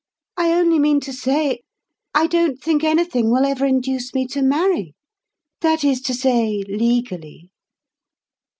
I only mean to say, I don't think anything will ever induce me to marry—that is to say, legally."